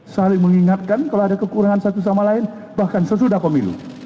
saling mengingatkan kalau ada kekurangan satu sama lain bahkan sesudah pemilu